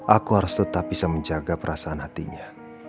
aku harus tetap bisa menjaga perasaan hatinya